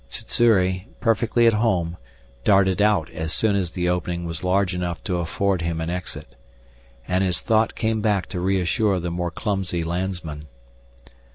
Sssuri, perfectly at home, darted out as soon as the opening was large enough to afford him an exit. And his thought came back to reassure the more clumsy landsman.